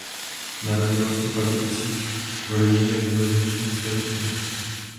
Narodil se v Pardubicích v rodině železničního stavitele.